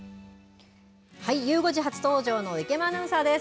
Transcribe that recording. ゆう５時初登場の池間アナウンサーです。